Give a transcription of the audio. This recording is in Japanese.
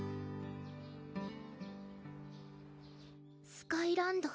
スカイランド